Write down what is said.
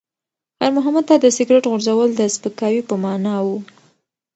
خیر محمد ته د سګرټ غورځول د سپکاوي په مانا و.